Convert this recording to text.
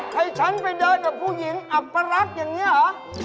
ให้ฉันไปเดินกับผู้หญิงอัปรักษ์อย่างนี้เหรอ